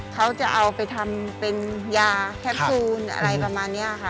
เขาจะเอาไปทำเป็นยาแคปซูลอะไรประมาณนี้ค่ะ